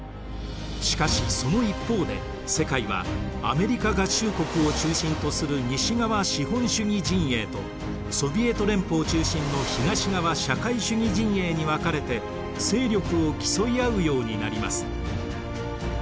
しかしその一方で世界はアメリカ合衆国を中心とする西側資本主義陣営とソヴィエト連邦中心の東側社会主義陣営に分かれて勢力を競い合うようになります。